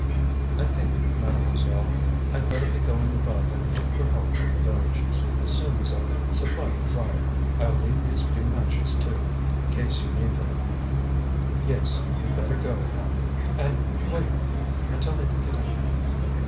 "I think, Mademoiselle, I'd better be going above and look for help from the village, as soon as I've supplied the fire. I'll leave these few matches, too, in case you need them." "Yes, you'd better go, Hand; and wait a minute, until I think it out."